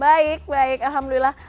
baik baik alhamdulillah